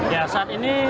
ya saat ini